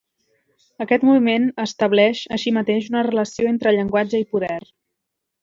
Aquest moviment estableix, així mateix, una relació entre llenguatge i poder.